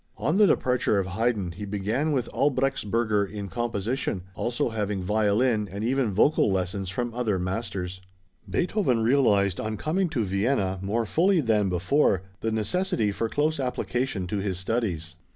On the departure of Haydn he began with Albrechtsberger in composition, also having violin, and even vocal lessons from other masters. Beethoven realized, on coming to Vienna, more fully than before, the necessity for close application to his studies.